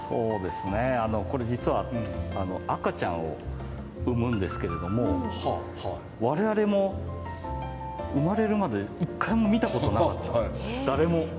これ実は赤ちゃんを産むんですけれども我々も生まれるまで一回も見たことなかった誰も世界中で。